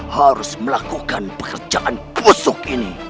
harus melakukan pekerjaan kosok ini